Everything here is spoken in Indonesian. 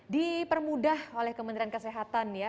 dipermudah oleh kementerian kesehatan ya